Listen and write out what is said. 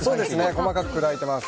細かく砕いています。